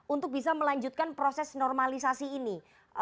untuk bisa melanjutkan proses normalisasi ini